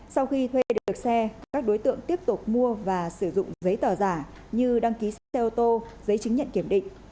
sau khi thuê được xe các đối tượng tiếp tục mua và sử dụng giấy tờ giả như đăng ký xe ô tô giấy chứng nhận kiểm định